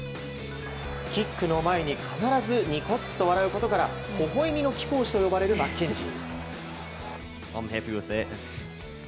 キックの前に必ずニコッと笑うことからほほえみの貴公子と呼ばれるマッケンジー。